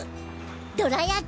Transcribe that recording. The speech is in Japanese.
どら焼き。